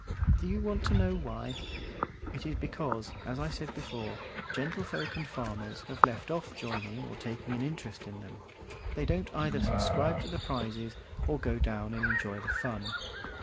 Do you want to know why? It is because, as I said before, gentlefolk and farmers have left off joining or taking an interest in them. They don't either subscribe to the prizes, or go down and enjoy the fun.